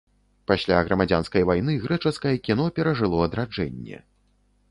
Пасля грамадзянскай вайны грэчаскае кіно перажыло адраджэнне.